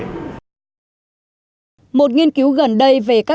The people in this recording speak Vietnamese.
một nghiên cứu gần đây về tài sản thế chấp